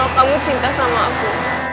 kamu cinta sama aku